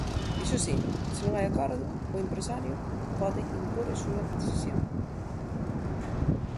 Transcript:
Iso si, se non hai acordo, o empresario pode impor a súa decisión.